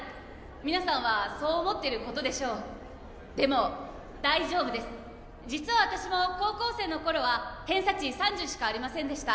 皆さんはそう思ってることでしょうでも大丈夫です実は私も高校生の頃は偏差値３０しかありませんでした